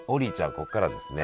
ここからはですね